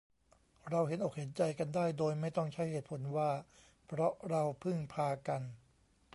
เราเห็นอกเห็นใจกันได้ โดยไม่ต้องใช้เหตุผลว่า เพราะเราพึ่งพากัน